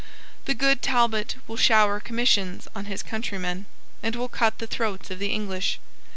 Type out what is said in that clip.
The good Talbot will shower commissions on his countrymen, and will cut the throats of the English.